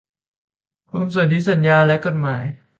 กรมสนธิสัญญาและกฎหมาย